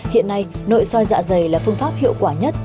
hiện nay nội soi dạ dày là phương pháp hiệu quả nhất